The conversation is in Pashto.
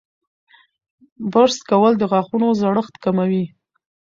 برس کول د غاښونو زړښت کموي.